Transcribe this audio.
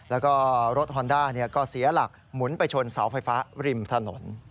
แล้วก็รถฮอนด้าก็เสียหลักหมุนไปชนเสาไฟฟ้าริมถนน